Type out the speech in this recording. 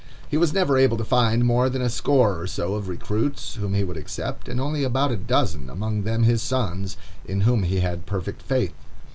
He was never able to find more than a score or so of recruits whom he would accept, and only about a dozen, among them his sons, in whom he had perfect faith.